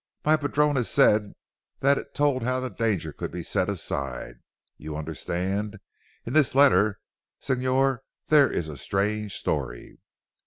My padrona said that it told how the danger could be set aside. You understand. In this letter Signor, there is a strange story."